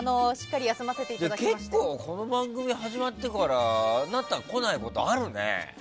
結構、この番組始まってからあなた、来ないことあるね。